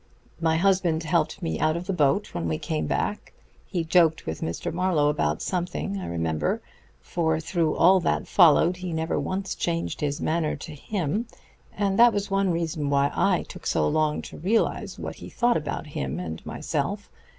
"My husband helped me out of the boat when we came back. He joked with Mr. Marlowe about something, I remember; for through all that followed he never once changed in his manner to him, and that was one reason why I took so long to realize what he thought about him and myself.